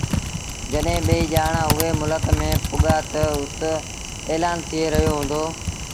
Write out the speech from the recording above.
جڏهيݩ ٻئيٚ ڄآڻآݩ اُئي ملڪ ميݩ پُڳآ تا اُت ايلآݩ ٿئي رهيو هُݩدو